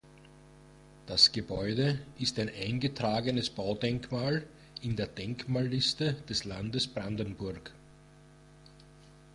Das Gebäude ist ein eingetragenes Baudenkmal in der Denkmalliste des Landes Brandenburg.